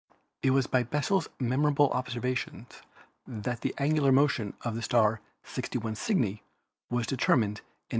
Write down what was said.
It was by Bessel's memorable observations that the angular motion of the star "61 Cygni" was determined in 1838.